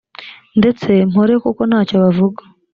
mbese mpore kuko nta cyo bavuga